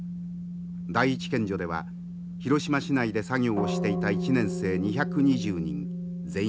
第一県女では広島市内で作業をしていた１年生２２０人全員が亡くなりました。